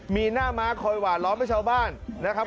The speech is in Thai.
มีหน้าม้าคอยหวานล้อมให้ชาวบ้านนะครับ